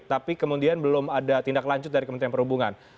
tapi kemudian belum ada tindak lanjut dari kementerian perhubungan